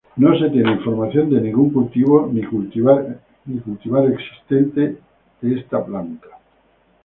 No se tiene información de ningún cultivo ni cultivar existente de esta planta.